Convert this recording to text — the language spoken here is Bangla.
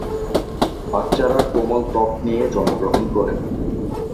বাচ্চারা কোমল ত্বক নিয়ে জন্মগ্রহণ করে।